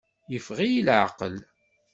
Yeffeɣ-iyi laɛqel.